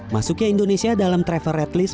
masuknya indonesia dalam travel red list